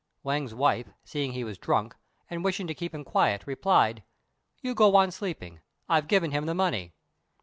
Wang's wife, seeing he was drunk, and wishing to keep him quiet, replied, "You go on sleeping: I've given him the money."